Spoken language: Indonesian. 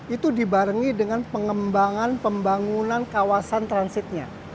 itu dibarengi dengan pengembangan pembangunan kawasan transitnya